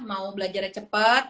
mau belajarnya cepet